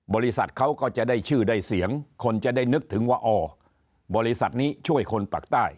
บริษัทเขาก็จะได้ชื่อได้เสียงคนจะได้นึกถึงว่าอ๋อบริษัทนี้ช่วยคนปากใต้